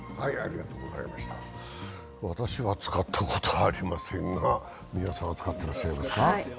私は使ったことありませんが、皆さんは使ってらっしゃいますか？